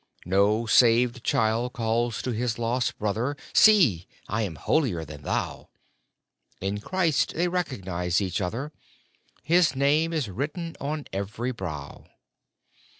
No saved child calls to his lost brother, " See ! I am holier than thou !" In Christ they recognize each other ; His name is written on every brow.